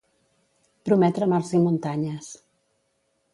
Prometre mars i muntanyes.